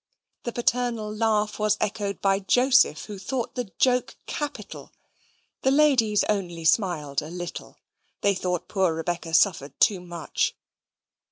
The paternal laugh was echoed by Joseph, who thought the joke capital. The ladies only smiled a little. They thought poor Rebecca suffered too much.